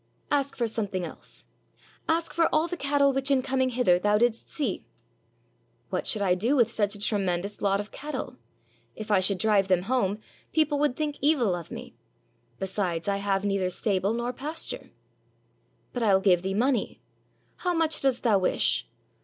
"Ask for something else; ask for all the cattle which in coming hither thou didst see." "What should I do with such a tremendous lot of cat tle? If I should drive them home, people would think evil of me; besides, I have neither stable nor pasture." "But I'll give thee money. How much dost thou wish?